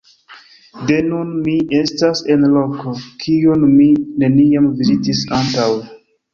De nun, mi estas en loko, kiun mi neniam vizitis antaŭe.